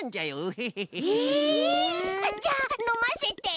へえじゃあのませて！